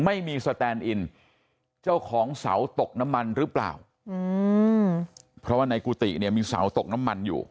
ไม่มีสแตนอินเจ้าของเสาตกน้ำมันหรือเปล่าเพราะว่าในกุฏิเนี่ยมีเสาตกน้ำมันอยู่